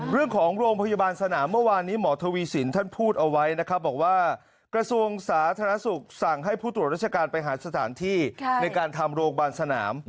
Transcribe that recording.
โรงพยาบาลสนามเมื่อวานนี้หมอทวีสินท่านพูดเอาไว้นะครับบอกว่ากระทรวงสาธารณสุขสั่งให้ผู้ตรวจราชการไปหาสถานที่ในการทำโรงพยาบาลสนาม